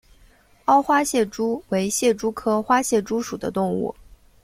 凹花蟹蛛为蟹蛛科花蟹蛛属的动物。